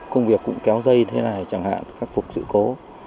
công việc cũng kéo dây thế này chẳng hạn khắc phục sự cố